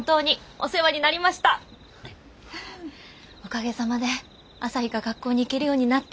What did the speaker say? おかげさまで朝陽が学校に行けるようになって。